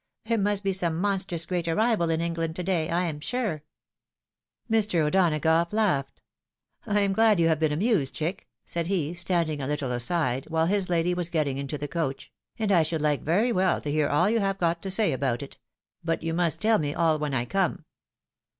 There must be some monstrous great arrival in England, to day, I'am sure." Mr. O'Donagough laughed. " I am glad you have been amused, chick," said he, standing a little aside, while his lady was getting into the coach ;" and I should like very well to hear all you have got to say about it. But you must tell me all when I come."